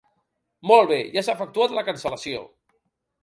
Molt bé, ja s'ha efectuat la cancel·lació.